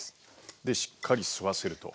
でしっかり吸わせると。